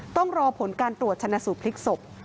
ต้องรอผลการตรวจชนะสูตรพลิกศพ